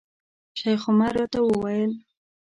شیخ عمر راته وویل.